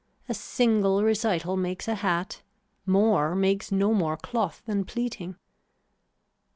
A single recital makes a hat, more makes no more cloth than pleating.